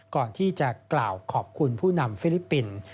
ก่อนที่จะกล่าวขอบคุณผู้นำฟิลิปปินส์